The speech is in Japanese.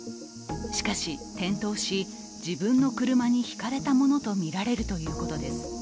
しかし転倒し、自分の車にひかれたものとみられるということです。